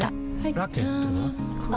ラケットは？